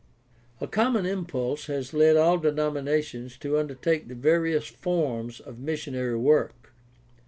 — A common impulse has led all denomina tions to undertake the various forms of missionary work.